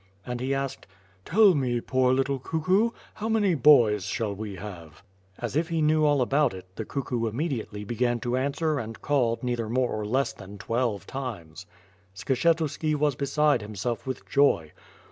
And he asked: "Tell me, poor little cuckoo, how many boys shall we have?" As if he knew all about it, the cuckoo immediately began to ansAver and called neither more or less than twelve times. Skshetuski was beside himself with joy.